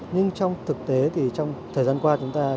nhưng trong thực tế thì trong thời gian qua